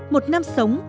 một năm sống